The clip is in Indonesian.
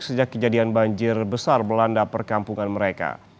sejak kejadian banjir besar melanda perkampungan mereka